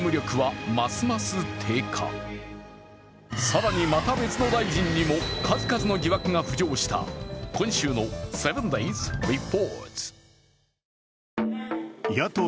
更にまた別の大臣にも数々の疑惑が浮上した今週の「７ｄａｙｓリポート」。